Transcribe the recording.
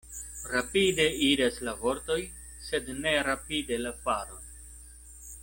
Rapide iras la vortoj, sed ne rapide la faroj.